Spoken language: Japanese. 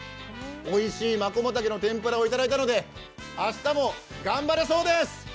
おいしい、マコモタケの天ぷらをいただいたので明日も頑張れそうです！